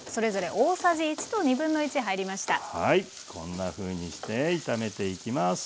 はいこんなふうにして炒めていきます。